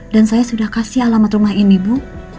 dan saya sudah kasih alamat rumah ini bu